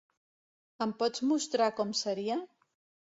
Em pots mostrar com seria?